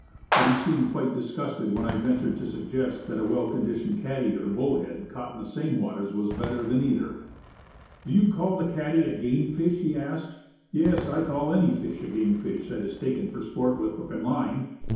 But he seemed quite disgusted when I ventured to suggest 64 Woodcraft. that a well conditioned cattie or bullhead, caught in the same waters was better than either. "Do you call the cattie a game fish?" he asked. Yes; I call any fish a game fish that is taken for sport with hook and line.